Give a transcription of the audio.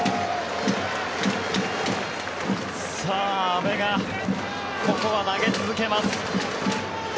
阿部がここは投げ続けます。